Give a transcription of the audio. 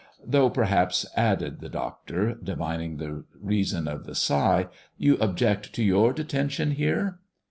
Though, perhaps," added the doctor, divining the reason of the sigh, " you object to your detention here."